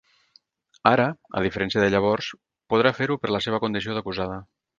Ara, a diferència de llavors, podrà fer-ho per la seva condició d’acusada.